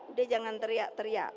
udah jangan teriak teriak